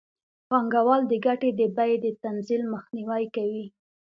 پانګوال د ګټې د بیې د تنزل مخنیوی کوي